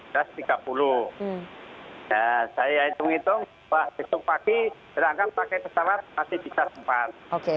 ya saya hitung hitung bahwa besok pagi berangkat pakai pesawat masih bisa sempat